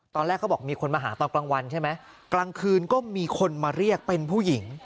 เขาบอกมีคนมาหาตอนกลางวันใช่ไหมกลางคืนก็มีคนมาเรียกเป็นผู้หญิง